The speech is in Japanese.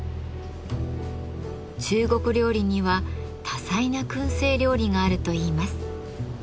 中国料理には多彩な燻製料理があるといいます。